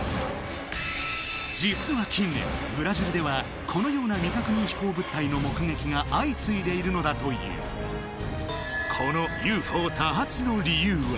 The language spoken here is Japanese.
実は近年ブラジルではこのような未確認飛行物体の目撃が相次いでいるのだというこのＵＦＯ多発の理由は？